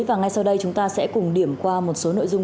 và ngay sau đây chúng ta sẽ cùng điểm qua một số nội dung